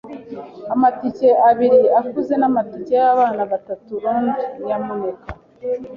Amatike abiri akuze n'amatike y'abana batatu i Londres, nyamuneka.